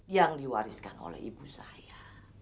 yang diwariskan oleh ibu saya